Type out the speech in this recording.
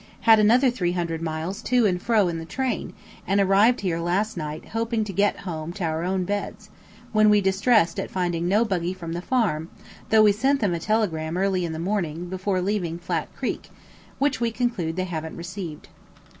Had another 300 miles to and fro in the train, and arrived here last night hoping to get home to our own beds, when we distressed at finding no buggy from the farm, though we sent them a telegram early in the morning before leaving Flat Creek, which we conclude they haven't received.